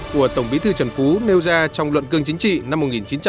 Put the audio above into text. của tổng bí thư trần phú nêu ra trong luận cương chính trị năm một nghìn chín trăm tám mươi